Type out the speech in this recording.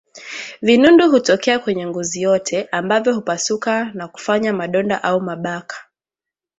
Vinundu hutokea kwenye ngozi yote ambavyo hupasuka na kufanya madonda au mabaka